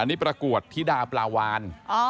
อันนี้ประกวดธิดาปลาวาน